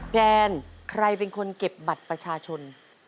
แกนใครเป็นคนเก็บบัตรประชาชน